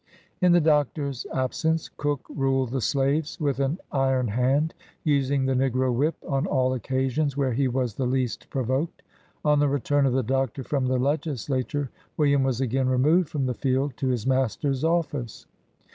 In the Doctor's absence, Cook ruled the slaves with an iron hand, using the negro whip on all occasions where he was the least provoked. On the return of the Doctor from the Legislature, William was again removed from the field to his master's office.